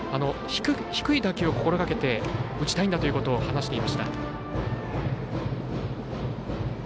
低い打球を心がけて打ちたいんだということを話していました。